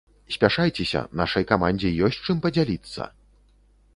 Спяшайцеся, нашай камандзе ёсць, чым падзяліцца!